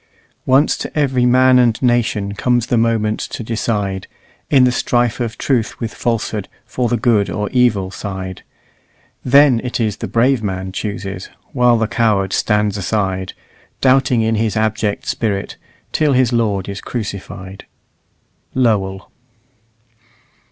"Once to every man and nation comes the moment to decide, In the strife of Truth with Falsehood, for the good or evil side. .... Then it is the brave man chooses, while the coward stands aside, Doubting in his abject spirit, till his Lord is crucified." LOWELL.